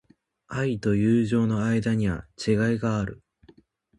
愛と友情の間には違いがある。